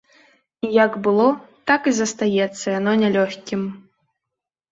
І як было, так і застаецца яно нялёгкім.